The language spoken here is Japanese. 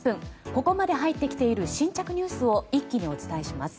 ここまで入ってきた新着ニュースを一気にお伝えします。